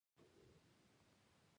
افغانستان د خپل تاریخ درناوی کوي.